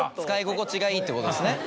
使い心地がいいってことですね。